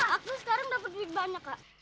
aku sekarang dapat duit banyak kak